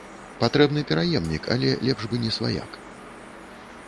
Патрэбны пераемнік, але лепш бы не сваяк.